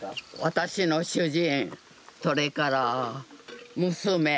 私の主人それから娘